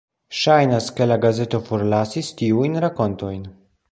Ŝajnas ke la gazeto forlasis tiujn rakontojn.